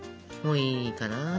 もういいかな。